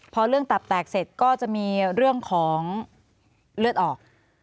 พอเรื่องตับแตกเสร็จก็จะมีเรื่องของเลือดออก